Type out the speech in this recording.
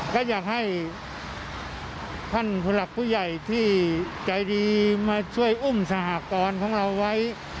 ก็อยากให้ท่านผู้หลักผู้ใหญ่ที่ใจดีมาช่วยอุ้มสหกรของเราไว้